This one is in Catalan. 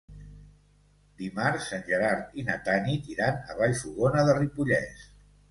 Dimarts en Gerard i na Tanit iran a Vallfogona de Ripollès.